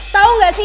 tau gak sih